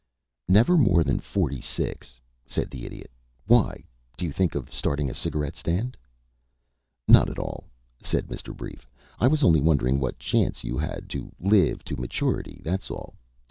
"Never more than forty six," said the Idiot. "Why? Do you think of starting a cigarette stand?" "Not at all," said Mr. Brief. "I was only wondering what chance you had to live to maturity, that's all.